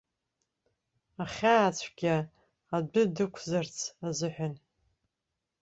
Ахьаацәгьа, адәы дықәзарц азыҳәан.